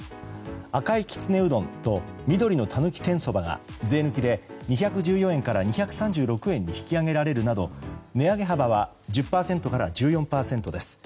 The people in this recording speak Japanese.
赤いきつねうどんと緑のたぬき天そばが税抜きで２１４円から２３６円に引き上げられるなど値上げ幅は１０％から１４％です。